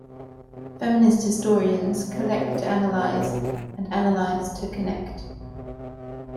Feminist historians collect to analyze and analyze to connect.